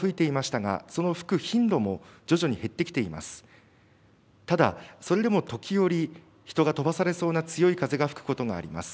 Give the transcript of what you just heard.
ただそれでも時折、人が飛ばされそうな強い風が吹くことがあります。